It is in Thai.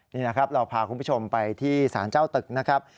นี่นะครับเราพาคุณผู้ชมไปที่สารเจ้าตึกนะครับ